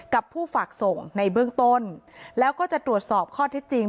กับผู้ฝากส่งในเบื้องต้นแล้วก็จะตรวจสอบข้อที่จริง